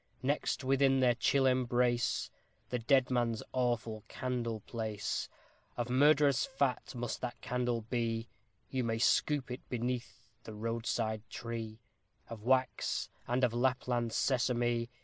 Next within their chill embrace The dead man's Awful Candle place; Of murderer's fat must that candle be You may scoop it beneath the roadside tree , Of wax, and of Lapland sisame.